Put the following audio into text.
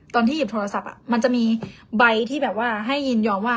ตอนที่หยิบโทรศัพท์มันจะมีใบที่แบบว่าให้ยินยอมว่า